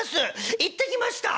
行ってきました」。